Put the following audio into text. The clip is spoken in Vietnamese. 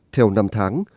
theo năm tháng